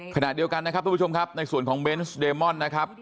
ขณะเดียวกันนะครับทุกผู้ชมครับในส่วนของเบนส์เดมอนนะครับ